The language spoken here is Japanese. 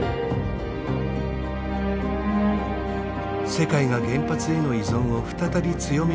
世界が原発への依存を再び強めようとしている